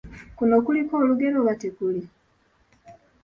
Kuno kuliko olugero oba tekuli?